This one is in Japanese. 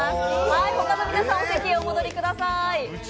ほかの皆さん、お席へお戻りください。